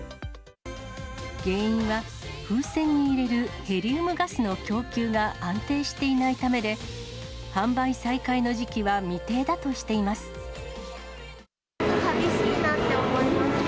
原因は、風船に入れるヘリウムガスの供給が安定していないためで、販売再寂しいなって思いました。